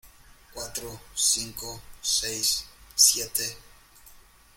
cuatro, cinco , seis , siete